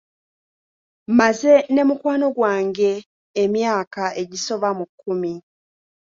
Mmaze ne mukwano gwange emyaka egisoba mu kkumi.